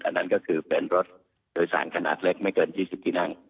อันนั้นก็คือเป็นรถโดยสารขนาดเล็กไม่เกิน๒๐นั่ง